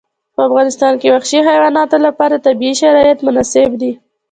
په افغانستان کې وحشي حیواناتو لپاره طبیعي شرایط مناسب دي.